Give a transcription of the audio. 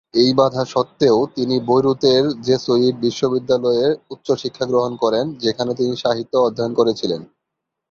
এই বাধা সত্ত্বেও, তিনি বৈরুতের জেসুইট বিশ্ববিদ্যালয়ে উচ্চশিক্ষা গ্রহণ করেন যেখানে তিনি সাহিত্য অধ্যয়ন করেছিলেন।